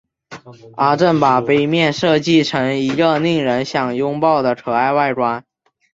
阿正把杯面设计成一个令人想拥抱的可爱外观。